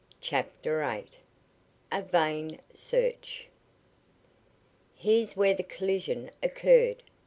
CHAPTER VIII A VAIN SEARCH "Here's where the collision occurred!"